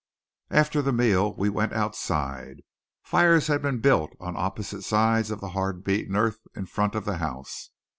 After the meal we went outside. Fires had been built on opposite sides of the hard beaten earth in front of the house.